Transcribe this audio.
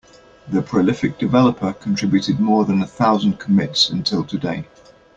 The prolific developer contributed more than a thousand commits until today.